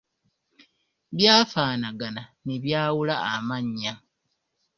Byafaanagana ne byawula amannya.